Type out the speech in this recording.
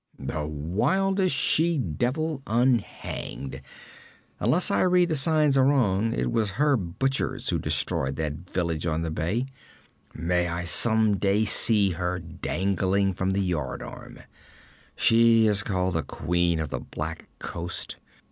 'The wildest she devil unhanged. Unless I read the signs a wrong, it was her butchers who destroyed that village on the bay. May I some day see her dangling from the yard arm! She is called the queen of the black coast.